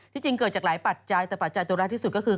จริงเกิดจากหลายปัจจัยแต่ปัจจัยตัวแรกที่สุดก็คือ